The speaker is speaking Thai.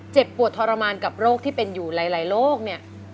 เจ็บปวดทรมานกับโรคที่เป็นอยู่หลายโรคเนี่ย